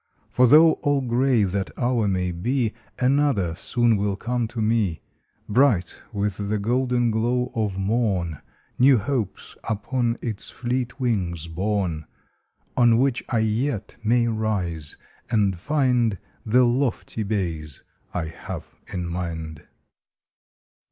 For though all gray that hour may be Another soon will come to me Bright with the golden glow of morn, New Hopes upon its fleet wings borne, On which I yet may rise and find The lofty bays I have in mind.